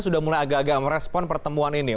sudah mulai agak agak merespon pertemuan ini